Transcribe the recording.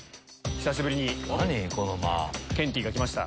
久しぶりにケンティーが来ました。